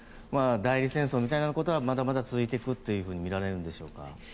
代理戦争みたいなことはまだまだ続いていくとみられるんでしょうか？